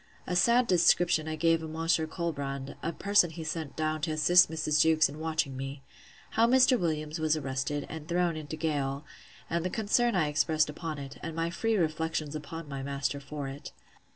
A sad description I gave of Monsieur Colbrand, a person he sent down to assist Mrs. Jewkes in watching me. How Mr. Williams was arrested, and thrown into gaol; and the concern I expressed upon it; and my free reflections on my master for it.